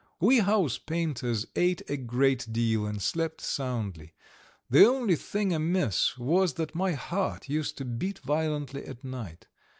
We house painters ate a great deal and slept soundly; the only thing amiss was that my heart used to beat violently at night.